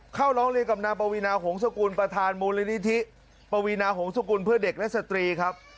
เข้าร้องเรียนกับนางปวีนาหงศกุลประธานมูลนิธิปวีนาหงศกุลเพื่อเด็กและสตรีครับ